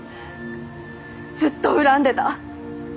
ずっと恨んでた。